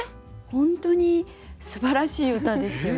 本当にすばらしい歌ですよね。